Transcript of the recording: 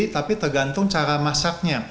tapi tergantung cara masaknya